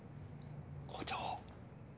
校長！